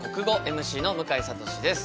ＭＣの向井慧です。